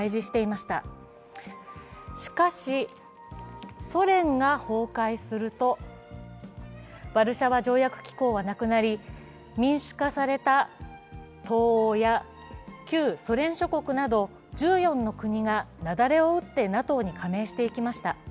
しかし、ソ連が崩壊するとワルシャワ条約機構はなくなり民主化された東欧や旧ソ連諸国など１４の国が雪崩を打ってＮＡＴＯへ加盟していきました。